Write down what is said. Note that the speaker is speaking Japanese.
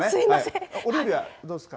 お料理はどうですか？